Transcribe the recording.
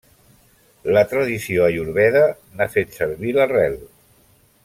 La tradició Ayurveda n'ha fet servir l'arrel.